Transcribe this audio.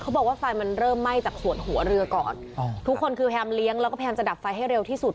บอกว่าไฟมันเริ่มไหม้จากส่วนหัวเรือก่อนทุกคนคือพยายามเลี้ยงแล้วก็พยายามจะดับไฟให้เร็วที่สุด